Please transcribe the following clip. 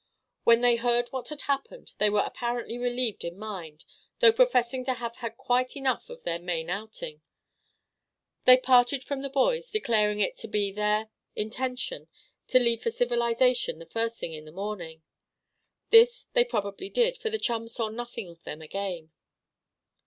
When they heard what had happened, they were apparently relieved in mind, though professing to have had quite enough of their Maine outing. They parted from the boys, declaring it to be their intention to leave for civilization the first thing in the morning. This they probably did, for the chums saw nothing of them again.